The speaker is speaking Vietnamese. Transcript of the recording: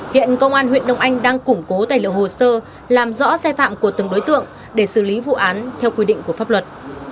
hiện công an huyện đông anh đang củng cố tài liệu hồ sơ làm rõ sai phạm của từng đối tượng để xử lý vụ án theo quy định của pháp luật